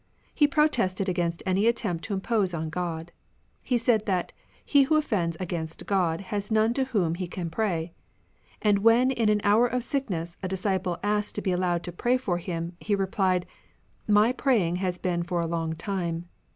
He pro tested against any attempt to impose on God. He said that " he who offends against God has none to whom he can pray ;" and when in an hour of sickness a disciple asked to be allowed to pray for him, he replied, " My praying has been for a long time."